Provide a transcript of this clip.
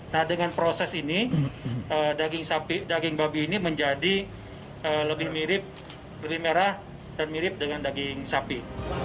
nah dengan proses ini daging babi ini menjadi lebih mirip lebih merah dan mirip dengan daging sapi